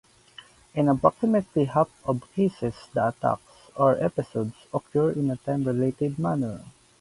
In approximately half of cases the attacks, or episodes, occur in a time-related manner.